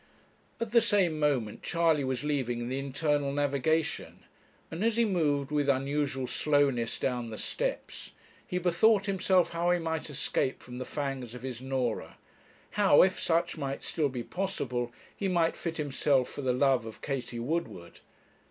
At the same moment Charley was leaving the Internal Navigation, and as he moved with unusual slowness down the steps, he bethought himself how he might escape from the fangs of his Norah; how, if such might still be possible, he might fit himself for the love of Katie Woodward.